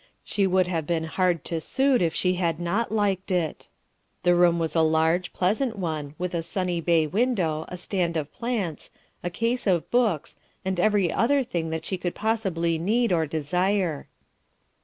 She would have been hard to suit if she had not liked it. The room was a large, pleasant one, with a sunny bay window, a stand of plants, a case of books, and every other thing that she could possibly need or desire.